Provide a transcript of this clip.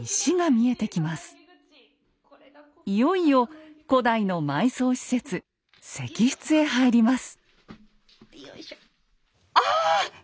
いよいよ古代の埋葬施設「石室」へ入ります。